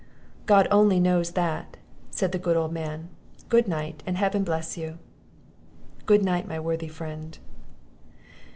"God only knows that," said the good old man; "good night, and heaven bless you!" "Good night, my worthy friend!"